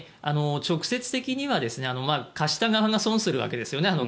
直接的には貸した側が損するわけですね。